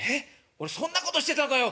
俺そんなことしてたのかよ。